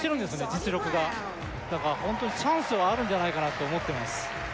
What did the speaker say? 実力がだからホントにチャンスはあるんじゃないかなと思ってます